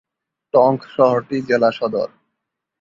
টঙ্ক শহরটি জেলা সদর।